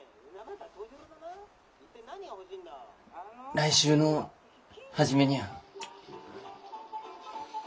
来週の初めにゃあ。